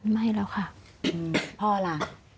ไม่แล้วค่ะพ่อล่ะ